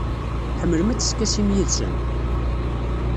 Tḥemmlem ad teskasim yid-sen?